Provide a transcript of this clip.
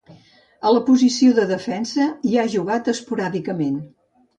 A la posició de defensa hi ha jugat esporàdicament.